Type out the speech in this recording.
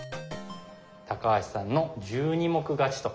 橋さんの１２目勝ちと。